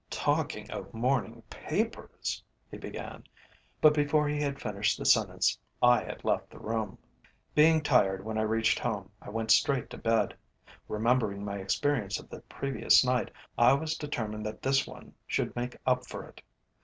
"Talking of morning papers " he began, but before he had finished the sentence I had left the room. Being tired when I reached home I went straight to bed. Remembering my experience of the previous night, I was determined that this one should make up for it.